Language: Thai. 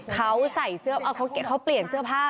เขาใส่เสื้อเขาเปลี่ยนเสื้อผ้า